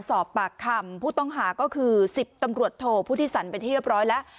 สอบปากคำผู้ต้องหาก็คือ๑๐ตำรวจโทพุทธิสันเป็นที่เรียบร้อยแล้ว